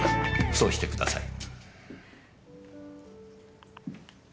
そうしてください。